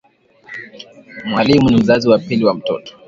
Mwalimu ni mzazi wa pili wa mtoto